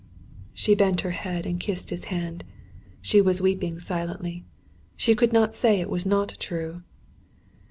She bent her head and kissed his hand. She was weeping silently. She could not say it was not true.